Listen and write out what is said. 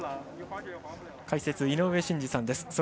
解説、井上真司さんです。